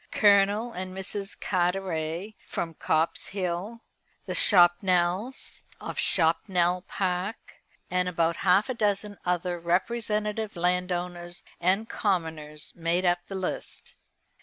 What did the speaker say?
Colonel and Mrs. Carteret, from Copse Hall; the Chopnells, of Chopnell Park; and about half a dozen other representative landowners and commoners made up the list.